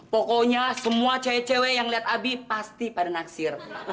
pokoknya semua cewek cewek yang lihat abi pasti pada naksir